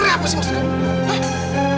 berdiri apa sih maksud kamu